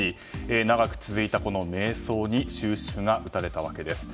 長く続いた迷走に終止符が打たれたわけです。